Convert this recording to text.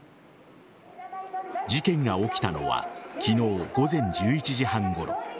事件が起きたのは昨日午前１１時半ごろ。